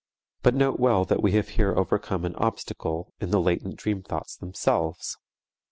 But note well that we have here overcome an obstacle in the latent dream thoughts themselves.